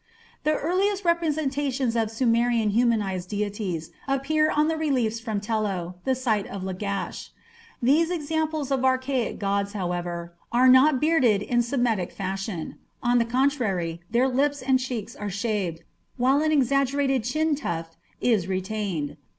The earliest representations of Sumerian humanized deities appear on reliefs from Tello, the site of Lagash. These examples of archaic gods, however, are not bearded in Semitic fashion. On the contrary, their lips and cheeks are shaved, while an exaggerated chin tuft is retained.